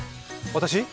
私？